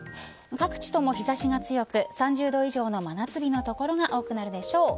各地とも日差しが強く３０度以上の真夏日の所が多くなるでしょう。